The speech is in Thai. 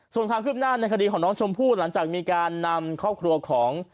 ส่วนความคืบหน้าในคดีของน้องชมพู่หลังจากมีการนำครอบครัวของ